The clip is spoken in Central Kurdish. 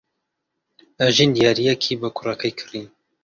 ئەژین دیارییەکی بۆ کوڕەکەی کڕی.